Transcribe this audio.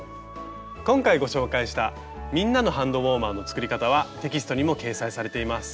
今回ご紹介した「みんなのハンドウォーマー」の作り方はテキストにも掲載されています。